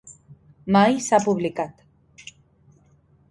Mai s'ha publicat.